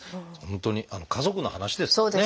本当に家族の話ですからね。